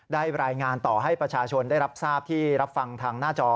รายงานต่อให้ประชาชนได้รับทราบที่รับฟังทางหน้าจอ